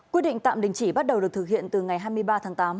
quyết định tạm đình chỉ bắt đầu được thực hiện từ ngày hai mươi ba tháng tám